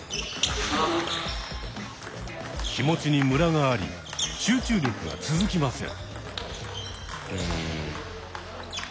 気持ちにムラがあり集中力が続きません。